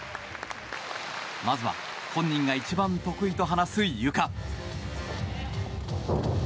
まずは、本人が一番得意と話すゆか。